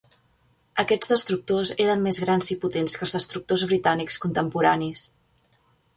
Aquests destructors eren més grans i potents que els destructors britànics contemporanis.